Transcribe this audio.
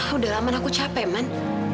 sudah lama saya sudah capek man